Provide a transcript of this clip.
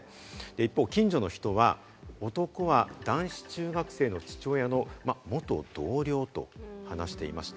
一方、近所の人は男は男子中学生の父親の元同僚と話していました。